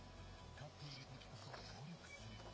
勝っているときこそ努力する。